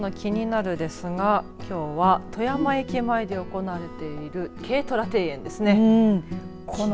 きょうのキニナル！ですがきょうは富山駅前で行われている軽トラ庭園ですね。